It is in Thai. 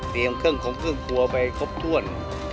เตรียมเครื่องครัวไปครบถ้วน